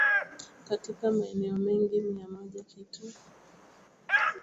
katika maeneo mengi mia moja kitu